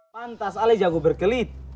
pantas ale jago berkelit